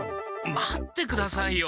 待ってくださいよ。